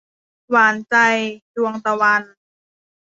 หวานใจ - ดวงตะวัน